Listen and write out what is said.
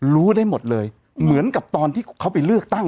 รู้ได้หมดเลยเหมือนกับตอนที่เขาไปเลือกตั้ง